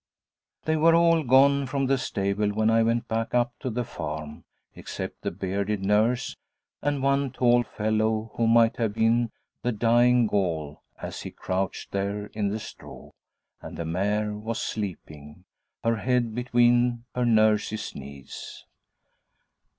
They were all gone from the stable when I went back up to the farm, except the bearded nurse and one tall fellow, who might have been the 'Dying Gaul' as he crouched there in the straw; and the mare was sleeping her head between her nurse's knees.